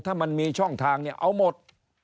ถ้ามันมีช่องทางเนี่ยเอาหมด